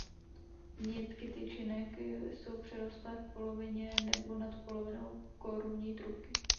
Nitky tyčinek jsou přirostlé v polovině nebo nad polovinou korunní trubky.